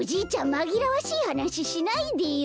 まぎらわしいはなししないでよ。